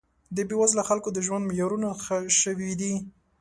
د بې وزله خلکو د ژوند معیارونه ښه شوي دي